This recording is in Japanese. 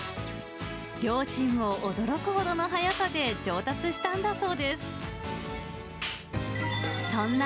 両親も驚くほどの早さで上達したんだそうです。